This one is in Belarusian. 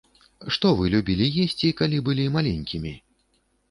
Што вы любілі есці, калі былі маленькімі?